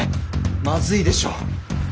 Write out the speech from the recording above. まずいでしょ。